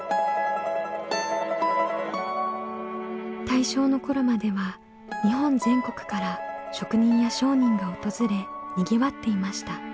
大正の頃までは日本全国から職人や商人が訪れにぎわっていました。